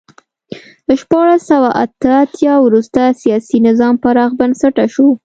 له شپاړس سوه اته اتیا وروسته سیاسي نظام پراخ بنسټه شو.